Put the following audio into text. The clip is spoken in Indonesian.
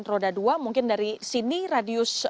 roda dua mungkin dari sini radius